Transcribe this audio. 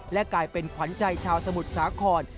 และกลายเป็นขวัญใจชาวสมุทรสาคร